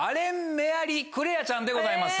明亜莉クレアちゃんでございます。